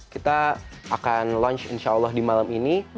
kita akan launch insya allah di malam ini